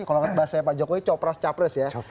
kalau nggak bahas saya pak jokowi copras capres ya